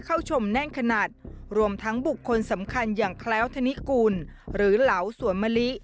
เข้าชมแน่นขนาดรวมทั้งบุคคลสำคัญอย่างแคล้วธนิกุลหรือเหลาสวนมะลิ